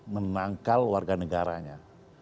menangkal warga negaranya